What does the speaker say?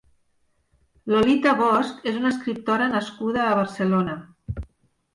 Lolita Bosch és una escriptora nascuda a Barcelona.